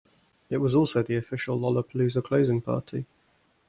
It was also the official Lollpalooza closing party.